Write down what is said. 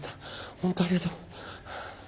ホントありがとう。